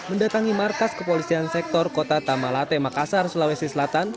mendatangi markas kepolisian sektor kota tamalate makassar sulawesi selatan